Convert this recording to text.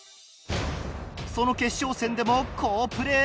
その決勝戦でも好プレイ連発！